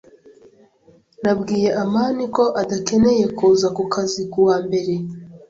Nabwiye amani ko adakeneye kuza ku kazi ku wa mbere.